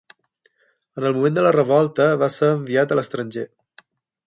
En el moment de la revolta va ser enviat a l'estranger.